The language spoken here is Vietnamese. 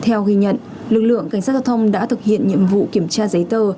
theo ghi nhận lực lượng cảnh sát giao thông đã thực hiện nhiệm vụ kiểm tra giấy tờ